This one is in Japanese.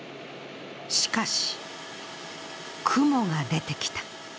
しかし、雲が出てきた。